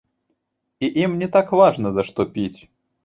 І ім не так важна за што піць.